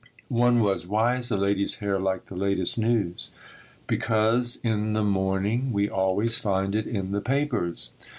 One was: "Why is a lady's hair like the latest news? Because in the morning we always find it in the papers."